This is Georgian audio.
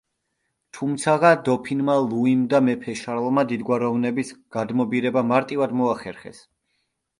თუმცაღა დოფინმა ლუიმ და მეფე შარლმა დიდგვაროვნების გადმობირება მარტივად მოახერხეს.